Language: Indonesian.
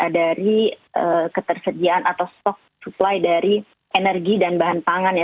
dari ketersediaan atau stok supply dari energi dan bahan pangan ya